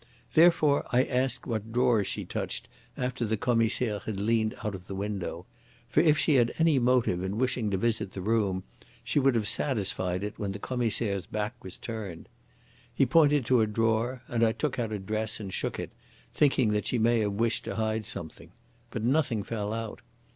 Therefore I asked what drawers she touched after the Commissaire had leaned out of the window. For if she had any motive in wishing to visit the room she would have satisfied it when the Commissaire's back was turned. He pointed to a drawer, and I took out a dress and shook it, thinking that she may have wished to hide something. But nothing fell out.